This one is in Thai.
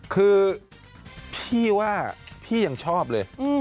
คือพี่ว่าพี่ยังชอบเลย